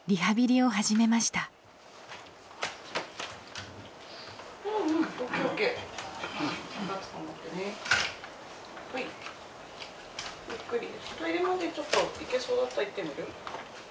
トイレまでちょっと行けそうだったら行ってみる？